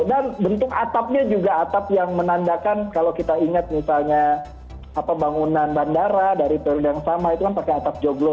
dan bentuk atapnya juga atap yang menandakan kalau kita ingat misalnya apa bangunan bandara dari periode yang sama itu kan pakai atap joglo